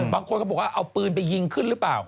บางคนก็บอกว่าเอาปืนไปยิงขึ้นหรือเปล่า